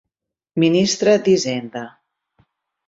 Ministre d'Hisenda